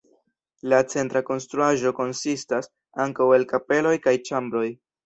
La centra konstruaĵo konsistas ankaŭ el kapeloj kaj ĉambroj.